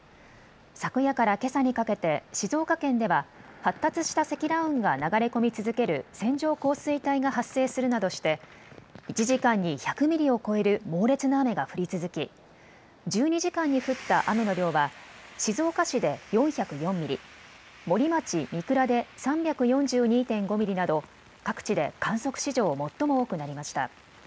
昨夜からけさにかけて静岡県では発達した積乱雲が流れ込み続ける線状降水帯が発生するなどして１時間に１００ミリを超える猛烈な雨が降り続き、１２時間に降った雨の量は静岡市で４０４ミリ、森町三倉で３４２．５ミリなど各地で観測史上、最も多くなりました。